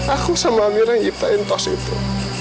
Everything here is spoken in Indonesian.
aku sama amirah yang ngiptain tos itu